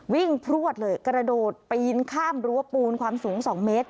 พลวดเลยกระโดดปีนข้ามรั้วปูนความสูง๒เมตร